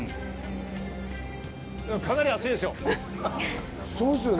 かなり暑いですよ。